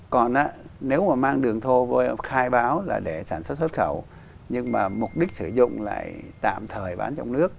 còn nếu mà mang đường thô khai báo là để sản xuất xuất khẩu nhưng mà mục đích sử dụng lại tạm thời bán trong nước